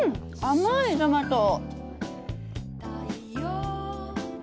甘いトマト。